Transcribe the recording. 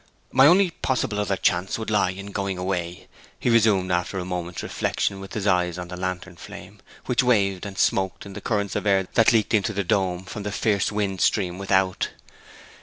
'My only possible other chance would lie in going away,' he resumed after a moment's reflection, with his eyes on the lantern flame, which waved and smoked in the currents of air that leaked into the dome from the fierce wind stream without.